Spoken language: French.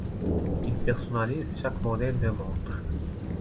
Il personnalise chaque modèle de montre.